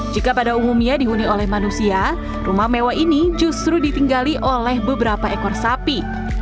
jika pada umumnya dihuni oleh manusia rumah mewah ini justru ditinggali oleh beberapa ekor sapi